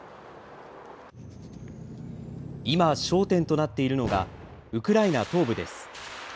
今、焦点となっているのが、ウクライナ東部です。